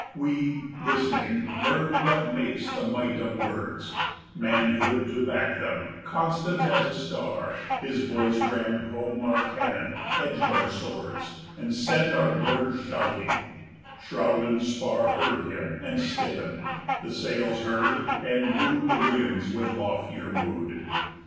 We, listening, learned what makes the might of words, 55 Manhood to back them, constant as a star; His voice rammed home our cannon, edged our swords, And sent our boarders shouting; shroud and spar Heard him and stiffened; the sails heard, and wooed The winds with loftier mood.